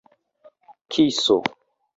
kiso